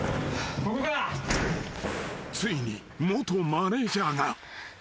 ［ついに元マネジャーが］